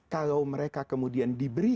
kalau mereka kemudian diberi